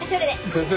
先生